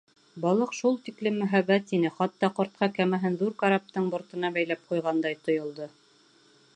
Балыҡ шул тиклем мөһабәт ине, хатта ҡартҡа кәмәһен ҙур караптың бортына бәйләп ҡуйғандай тойолдо.